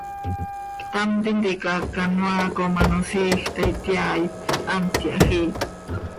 Ctam tintica canoaa com ano siij taa ityaai, hant yahjiit.